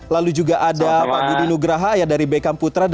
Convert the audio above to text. lalu juga ada pak budi nugraha dari bekam putra